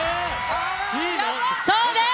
そうです！